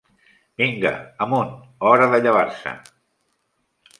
Vinga, amunt! Hora de llevar-se!